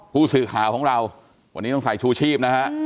ผู้สื่อข่าวของเราวันนี้ต้องใส่ชูชีพนะฮะ